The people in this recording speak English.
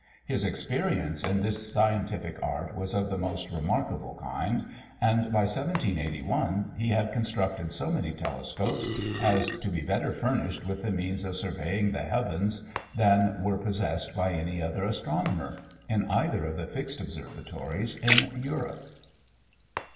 His experience in this scientific art was of the most remarkable kind; and, by 1781, he had constructed so many telescopes, as to be better furnished with the means of surveying the heavens than were possessed by any other astronomer, in either of the fixed observatories in Europe.